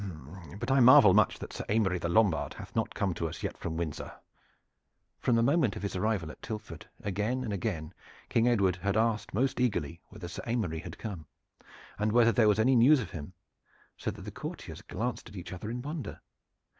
But I marvel much that Sir Aymery the Lombard hath not come to us yet from Windsor." From the moment of his arrival at Tilford, again and again King Edward had asked most eagerly whether Sir Aymery had come, and whether there was any news of him, so that the courtiers glanced at each other in wonder.